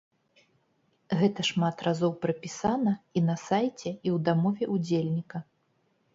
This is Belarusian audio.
Гэта шмат разоў прапісана і на сайце, і ў дамове ўдзельніка.